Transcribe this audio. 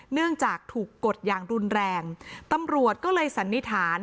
เนื่องจากถูกกดอย่างรุนแรงตำรวจก็เลยสันนิษฐาน